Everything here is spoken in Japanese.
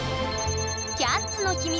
「キャッツ」の秘密